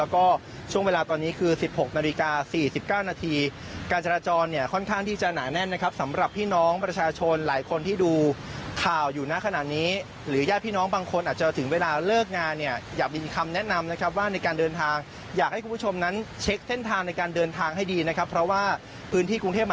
ก็ช่วงเวลาตอนนี้คือ๑๖นาฬิกา๔๙นาทีการจราจรเนี่ยค่อนข้างที่จะหนาแน่นนะครับสำหรับพี่น้องประชาชนหลายคนที่ดูข่าวอยู่นะขนาดนี้หรือญาติพี่น้องบางคนอาจจะถึงเวลาเลิกงานเนี่ยอยากมีคำแนะนำนะครับว่าในการเดินทางอยากให้คุณผู้ชมนั้นเช็คเส้นทางในการเดินทางให้ดีนะครับเพราะว่าพื้นที่กรุงเทพ